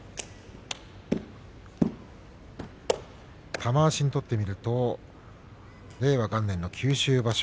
玉鷲にとってみると令和元年の九州場所